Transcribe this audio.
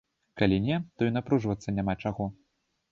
Калі не, то і напружвацца няма чаго.